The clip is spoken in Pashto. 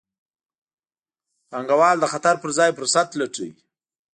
پانګوال د خطر پر ځای فرصت لټوي.